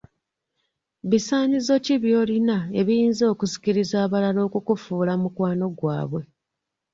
Bisaanyizo ki by'olina ebiyinza okusikiriza abalala okukufuula mukwano gwabwe?